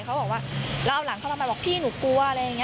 เขาบอกว่าแล้วเอาหน้าเข้ามาพี่หนูกลัวอะไรอย่างนี้